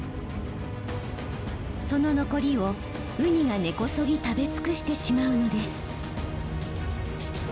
その残りをウニが根こそぎ食べ尽くしてしまうのです。